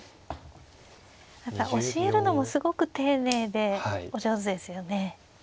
また教えるのもすごく丁寧でお上手ですよね。